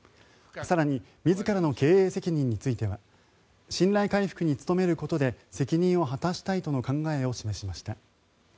更に自らの経営責任については信頼回復に努めることで責任を果たしたいとの考えを示しました。